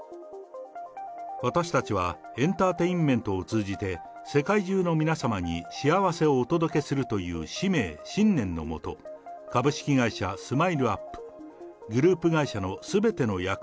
私たちはエンターテインメントを通じて、世界中の皆様に幸せをお届けするという使命、信念のもと、何これ⁉「泡パック」？お！